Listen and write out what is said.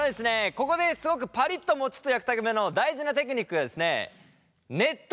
ここですごくパリッともちっと焼くための大事なテクニックがですね熱湯？